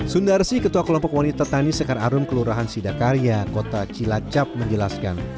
sundarsi ketua kelompok wanita tani sekar arum kelurahan sidakarya kota cilacap menjelaskan